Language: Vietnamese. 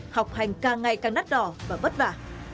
học hành càng ngày càng đắt đỏ và vất vả